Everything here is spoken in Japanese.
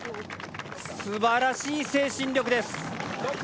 すばらしい精神力です。